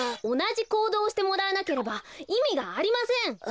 おなじこうどうをしてもらわなければいみがありません！